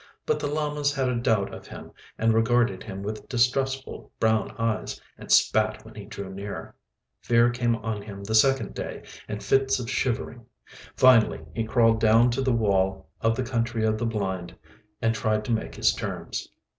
But the llamas had a doubt of him and regarded him with distrustful brown eyes and spat when he drew near. Fear came on him the second day and fits of shivering. Finally he crawled down to the wall of the Country of the Blind and tried to make his terms.